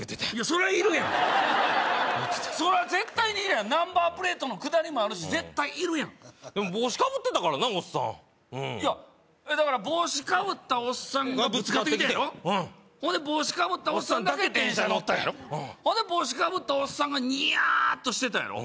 それはいるやんそれは絶対にいるやんナンバープレートのくだりもあるし絶対いるやん帽子かぶってたからなおっさんうんだから帽子かぶったおっさんがぶつかってきたんやろほんで帽子かぶったおっさんだけ電車乗ったんやろ帽子かぶったおっさんがニヤーッとしてたんやろ？